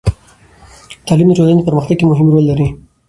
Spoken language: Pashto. تعلیم د ټولنې په پرمختګ کې مهم رول لري.